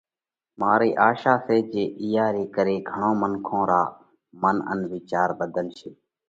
مارئِي آشا سئہ جي اِيئا ري ڪري گھڻون منکون را منَ ان وِيچار ڀڌلشي۔